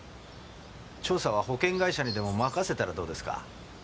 調査は保険会社にでも任せたらどうですか？